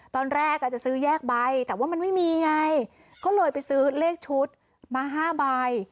ตอนแรกอาจจะซื้อแยกใบแต่ว่ามันไม่มีไงก็เลยไปซื้อเลขชุดมา๕ใบ